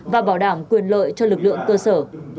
và bảo đảm quyền lợi cho lực lượng cơ sở